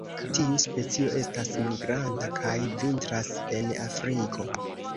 Tiu specio estas migranta kaj vintras en Afriko.